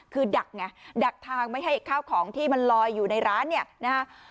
คือดักไงดักทางไม่ให้ข้าวของที่มันลอยอยู่ในร้านเนี่ยนะฮะ